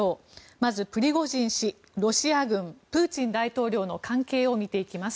まず、プリゴジン氏、ロシア軍プーチン大統領の関係から見ていきます。